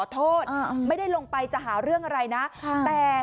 ไม่ได้ลงไปจะหาเรื่องอะไรนะแต่